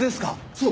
そう！